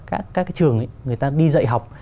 các cái trường ấy người ta đi dạy học